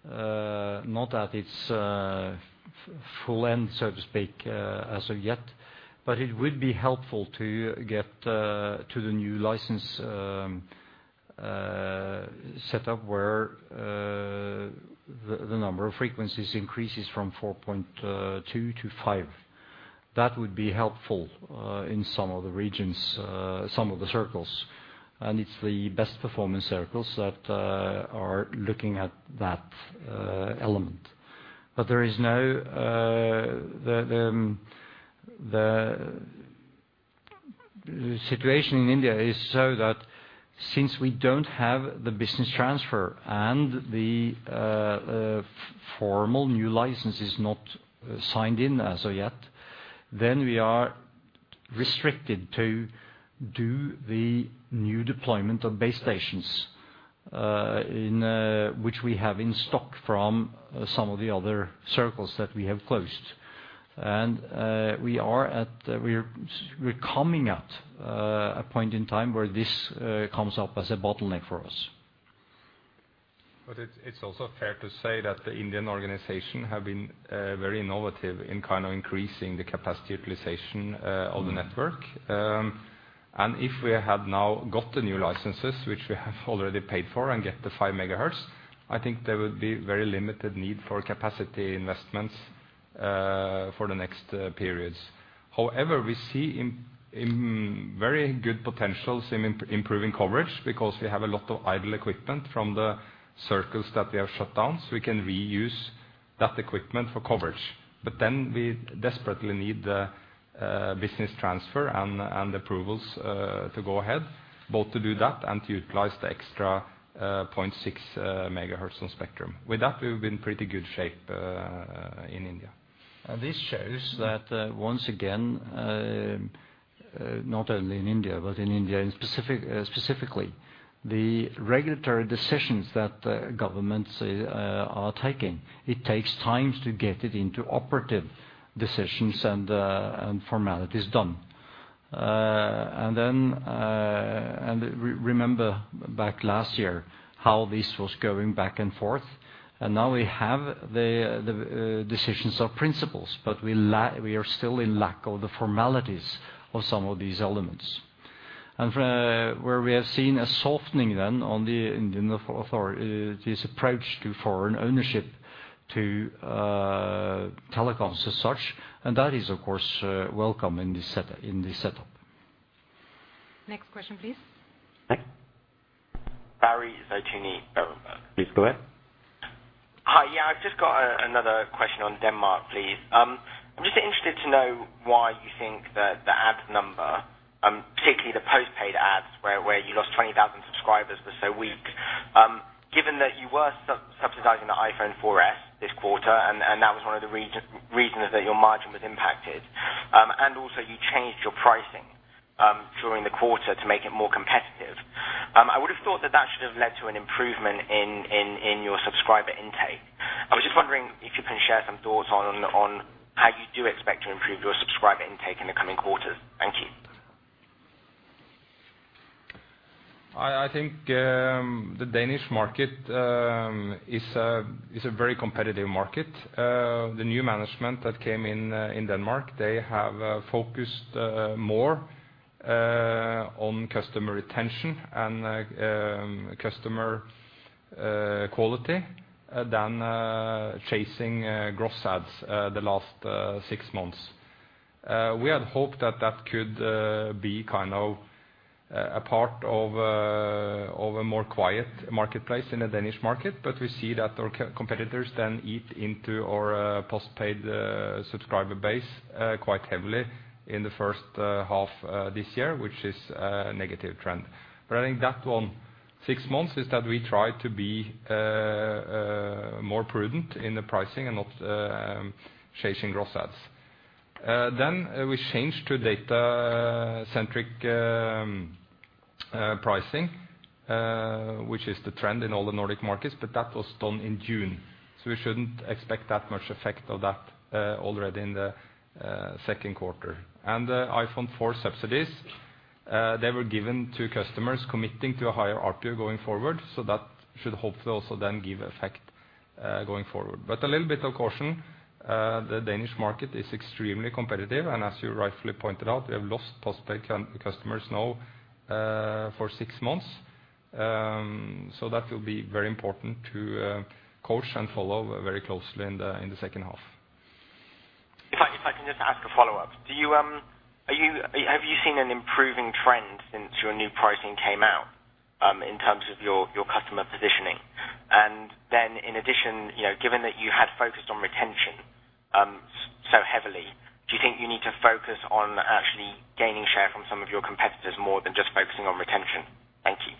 not at its full end, so to speak, as of yet, but it would be helpful to get to the new license set up, where the number of frequencies increases from 4.2 MHz-5MHz. That would be helpful in some of the regions, some of the circles, and it's the best performing circles that are looking at that element. But there is no... The situation in India is so that since we don't have the business transfer and the formal new license is not signed in as of yet, then we are restricted to do the new deployment of base stations which we have in stock from some of the other circles that we have closed. And we're coming at a point in time where this comes up as a bottleneck for us. But it's also fair to say that the Indian organization have been very innovative in kind of increasing the capacity utilization on the network. And if we had now got the new licenses, which we have already paid for, and get the 5 MHz, I think there would be very limited need for capacity investments for the next periods. However, we see very good potentials in improving coverage because we have a lot of idle equipment from the circles that we have shut down, so we can reuse that equipment for coverage. But then we desperately need the business transfer and approvals to go ahead, both to do that and to utilize the extra 0.6 MHz of spectrum. With that, we've been in pretty good shape in India. This shows that once again, not only in India, but specifically in India, the regulatory decisions that governments are taking—it takes time to get it into operative decisions and formalities done. And remember back last year, how this was going back and forth, and now we have the decisions in principle, but we are still lacking the formalities of some of these elements. And where we have seen a softening then on the Indian authorities, this approach to foreign ownership to telecoms as such, and that is, of course, welcome in this setup, in this setup. Next question, please. Next. Barry Zeitoune, Berenberg. Please, go ahead. Hi, yeah, I've just got another question on Denmark, please. I'm just interested to know why you think that the add number, particularly the postpaid adds, where you lost 20,000 subscribers, was so weak. Given that you were subsidizing the iPhone 4S this quarter, and that was one of the reasons that your margin was impacted, and also you changed your pricing during the quarter to make it more competitive. I would have thought that that should have led to an improvement in your subscriber intake. I was just wondering if you can share some thoughts on how you do expect to improve your subscriber intake in the coming quarters. Thank you. I, I think, the Danish market is a, is a very competitive market. The new management that came in in Denmark, they have focused more on customer retention and customer quality than chasing gross adds the last six months. We had hoped that that could be kind of a part of a, of a more quiet marketplace in the Danish market, but we see that our competitors then eat into our postpaid subscriber base quite heavily in the first half this year, which is a negative trend. But I think that one, six months, is that we try to be more prudent in the pricing and not chasing gross adds. Then we changed to data-centric pricing, which is the trend in all the Nordic markets, but that was done in June, so we shouldn't expect that much effect of that already in the second quarter. And the iPhone 4 subsidies, they were given to customers committing to a higher ARPU going forward, so that should hopefully also then give effect going forward. But a little bit of caution, the Danish market is extremely competitive, and as you rightfully pointed out, we have lost post-paid customers now for six months. So that will be very important to coach and follow very closely in the second half. If I can just ask a follow-up. Have you seen an improving trend since your new pricing came out, in terms of your customer positioning? And then in addition, you know, given that you had focused on retention, so heavily, do you think you need to focus on actually gaining share from some of your competitors more than just focusing on retention? Thank you.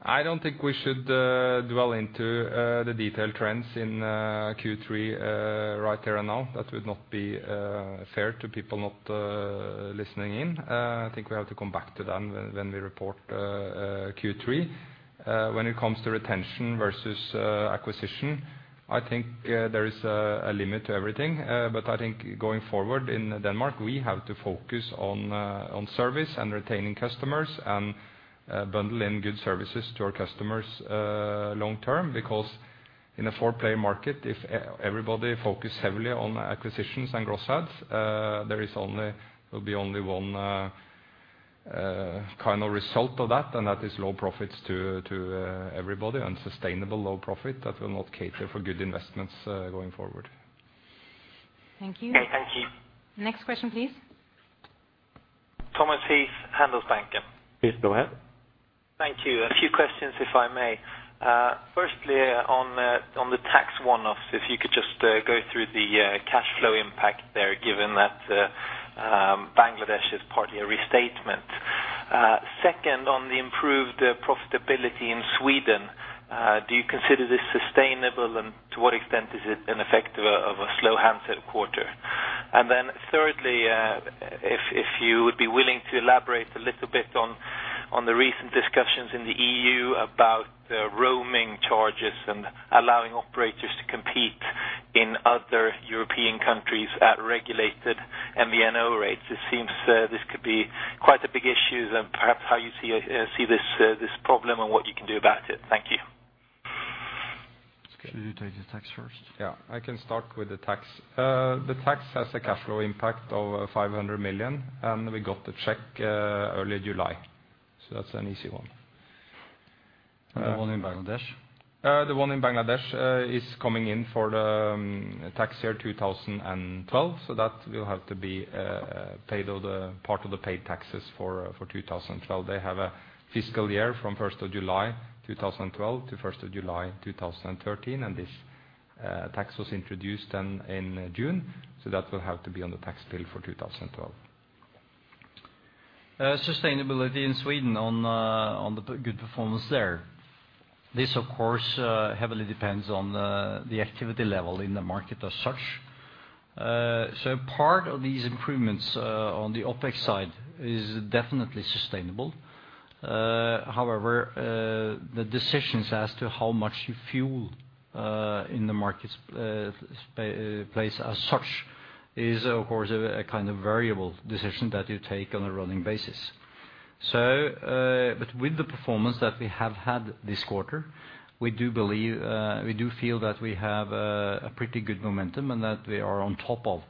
I don't think we should dwell into the detailed trends in Q3 right here and now. That would not be fair to people not listening in. I think we have to come back to them when we report Q3. When it comes to retention versus acquisition, I think there is a limit to everything. But I think going forward in Denmark, we have to focus on service and retaining customers and bundle in good services to our customers long term, because in a four-player market, if everybody focus heavily on acquisitions and gross adds, there is only—there'll be only one kind of result of that, and that is low profits to everybody, and sustainable low profit that will not cater for good investments going forward. Thank you. Okay, thank you. Next question, please. Thomas Heath, Handelsbanken. Please go ahead. Thank you. A few questions, if I may. Firstly, on the tax one-offs, if you could just go through the cash flow impact there, given that Bangladesh is partly a restatement. Second, on the improved profitability in Sweden, do you consider this sustainable, and to what extent is it an effect of a slow handset quarter? And then thirdly, if you would be willing to elaborate a little bit on the recent discussions in the EU about the roaming charges and allowing operators to compete in other European countries at regulated and the MNO rates. It seems this could be quite a big issue, and perhaps how you see this problem and what you can do about it. Thank you. Should you take the tax first? Yeah, I can start with the tax. The tax has a cash flow impact of 500 million, and we got the check early July. So that's an easy one. The one in Bangladesh? The one in Bangladesh is coming in for the tax year 2012, so that will have to be paid on the part of the paid taxes for 2012. They have a fiscal year from 1st of July 2012 to 1st of July 2013, and this tax was introduced then in June, so that will have to be on the tax bill for 2012. Sustainability in Sweden on the good performance there. This, of course, heavily depends on the activity level in the market as such. So part of these improvements on the OpEx side is definitely sustainable. However, the decisions as to how much you fuel in the markets, place as such is, of course, a kind of variable decision that you take on a rolling basis. So, but with the performance that we have had this quarter, we do believe, we do feel that we have a pretty good momentum and that we are on top of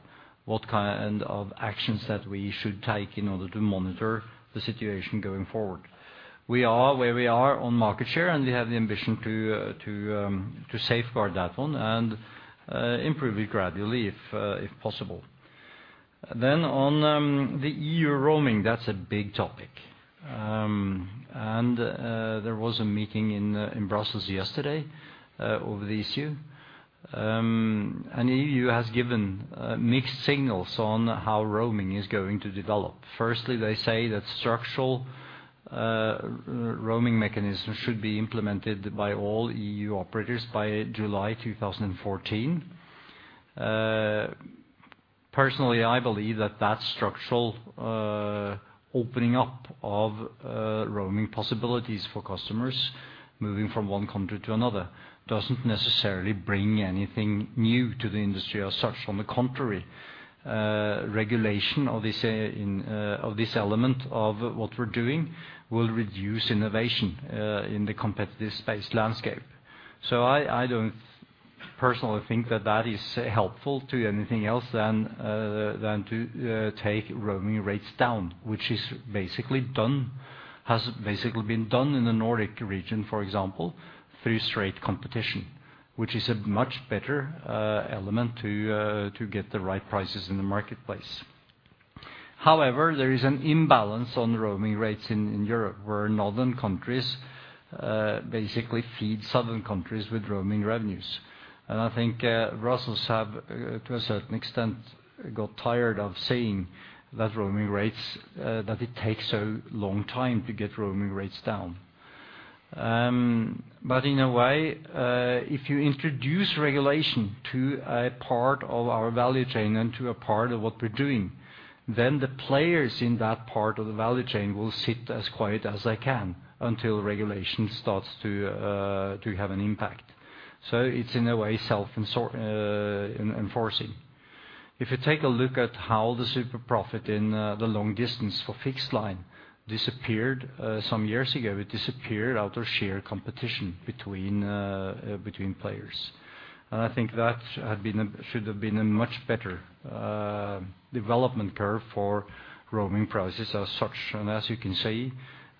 what kind of actions that we should take in order to monitor the situation going forward. We are where we are on market share, and we have the ambition to safeguard that one and improve it gradually, if possible. Then on the EU roaming, that's a big topic. There was a meeting in Brussels yesterday over the issue. EU has given mixed signals on how roaming is going to develop. Firstly, they say that structural roaming mechanism should be implemented by all EU operators by July 2014. Personally, I believe that that structural opening up of roaming possibilities for customers moving from one country to another doesn't necessarily bring anything new to the industry as such. On the contrary, regulation of this element of what we're doing will reduce innovation in the competitive space landscape. So I don't personally think that that is helpful to anything else than to take roaming rates down, which is basically done, has basically been done in the Nordic region, for example, through straight competition, which is a much better element to get the right prices in the marketplace. However, there is an imbalance on roaming rates in Europe, where northern countries basically feed southern countries with roaming revenues. And I think Brussels have, to a certain extent, got tired of seeing that roaming rates that it takes a long time to get roaming rates down. But in a way, if you introduce regulation to a part of our value chain and to a part of what we're doing, then the players in that part of the value chain will sit as quiet as they can until regulation starts to have an impact. So it's in a way, self-enforcing. If you take a look at how the super profit in the long distance for fixed line disappeared some years ago, it disappeared out of sheer competition between players. And I think that had been a, should have been a much better development curve for roaming prices as such. And as you can see,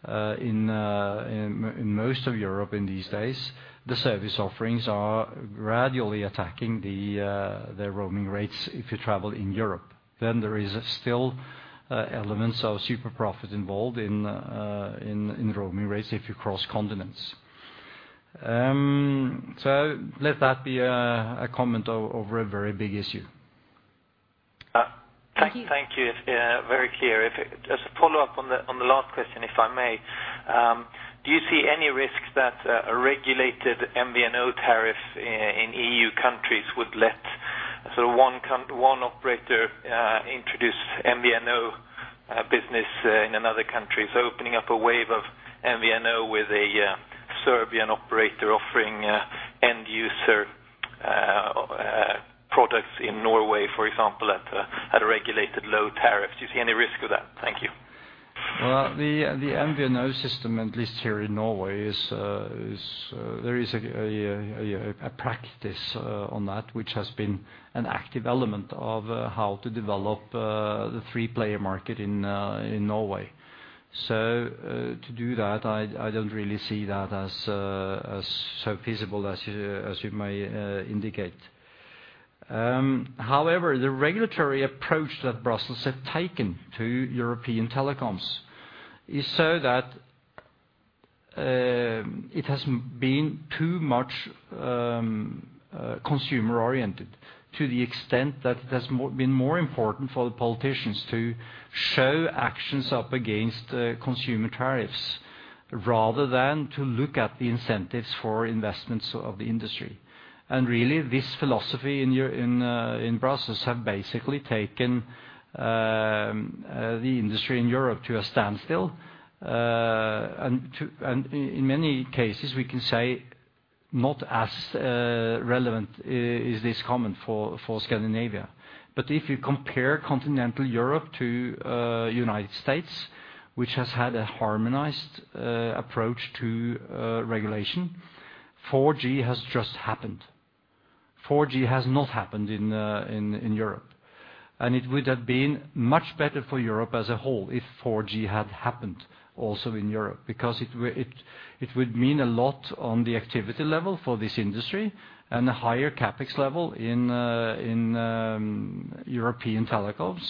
in most of Europe in these days, the service offerings are gradually attacking the roaming rates if you travel in Europe. Then there is still elements of super profit involved in roaming rates if you cross continents. So let that be a comment over a very big issue. Thank you. Thank you. Very clear. Just a follow-up on the last question, if I may. Do you see any risks that a regulated MVNO tariff in EU countries would let one operator introduce MVNO business in another country? So opening up a wave of MVNO with a Serbian operator offering end user products in Norway, for example, at a regulated low tariff. Do you see any risk of that? Thank you. Well, the MVNO system, at least here in Norway, is a practice on that, which has been an active element of how to develop the three-player market in Norway. So, to do that, I don't really see that as so feasible as you may indicate. However, the regulatory approach that Brussels have taken to European telecoms is so that it has been too much consumer-oriented, to the extent that it has been more important for the politicians to show actions up against consumer tariffs, rather than to look at the incentives for investments of the industry. And really, this philosophy in your in Brussels have basically taken the industry in Europe to a standstill. And in many cases, we can say not as relevant as is this common for Scandinavia. But if you compare continental Europe to United States, which has had a harmonized approach to regulation, 4G has just happened. 4G has not happened in Europe, and it would have been much better for Europe as a whole if 4G had happened also in Europe, because it would mean a lot on the activity level for this industry. And a higher CapEx level in European telecoms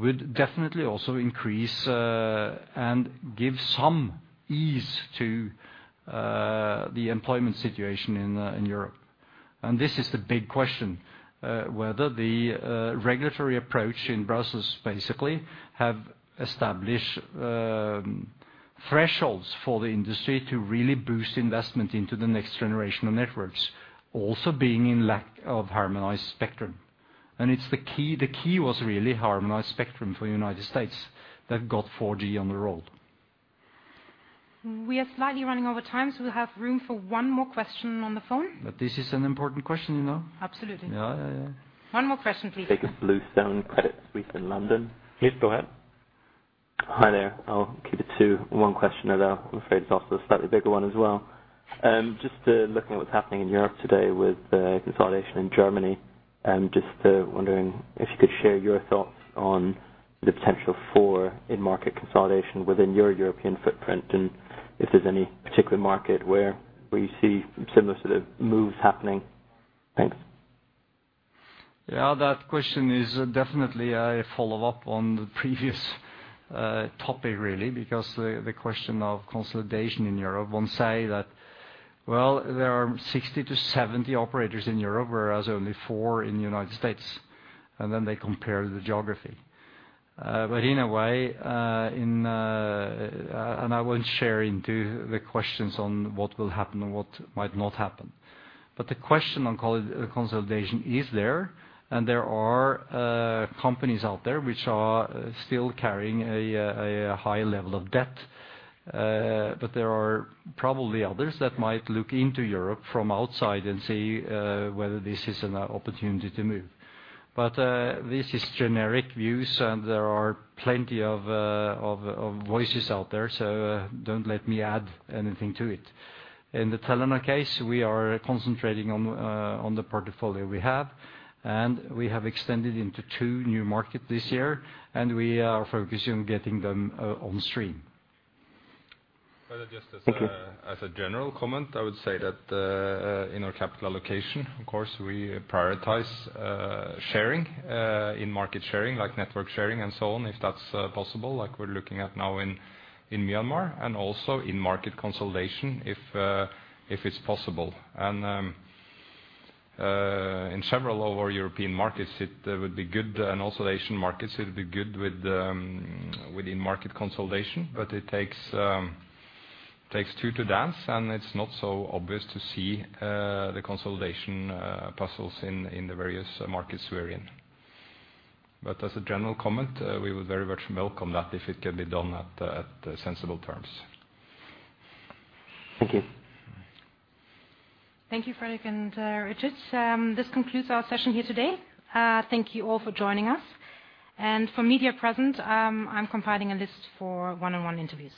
would definitely also increase and give some ease to the employment situation in Europe. This is the big question, whether the regulatory approach in Brussels basically have established thresholds for the industry to really boost investment into the next generation of networks, also being in lack of harmonized spectrum. It's the key, the key was really harmonized spectrum for United States that got 4G on the road. We are slightly running over time, so we have room for one more question on the phone. This is an important question, you know? Absolutely. Yeah, yeah, yeah. One more question, please. Jakob Bluestone, Credit Suisse in London. Please, go ahead. Hi, there. I'll keep it to one question, although I'm afraid it's also a slightly bigger one as well. Just looking at what's happening in Europe today with consolidation in Germany, just wondering if you could share your thoughts on the potential for in-market consolidation within your European footprint, and if there's any particular market where, where you see similar sort of moves happening? Thanks. Yeah, that question is definitely a follow-up on the previous topic, really, because the question of consolidation in Europe. One say that, well, there are 60-70 operators in Europe, whereas only four in the United States, and then they compare the geography. But in a way, in... And I won't share into the questions on what will happen and what might not happen. But the question on consolidation is there, and there are companies out there which are still carrying a high level of debt. But there are probably others that might look into Europe from outside and see whether this is an opportunity to move. But this is generic views, and there are plenty of voices out there, so don't let me add anything to it. In the Telenor case, we are concentrating on, on the portfolio we have, and we have extended into two new market this year, and we are focusing on getting them, on stream. But just as a general comment, I would say that in our capital allocation, of course, we prioritize sharing, in-market sharing, like network sharing and so on, if that's possible, like we're looking at now in Myanmar, and also in-market consolidation if it's possible. In several of our European markets, it would be good, and also Asian markets, it would be good with within market consolidation, but it takes two to dance, and it's not so obvious to see the consolidation puzzles in the various markets we are in. But as a general comment, we would very much welcome that if it can be done at sensible terms. Thank you. Thank you, Fredrik and Richard. This concludes our session here today. Thank you all for joining us. And for media present, I'm compiling a list for one-on-one interviews.